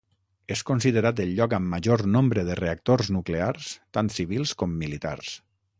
És considerat el lloc amb major nombre de reactors nuclears tant civils com militars.